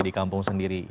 di kampung sendiri